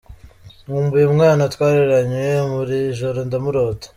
Nkumbuye umwana twareranywe, buri joro ndamurota.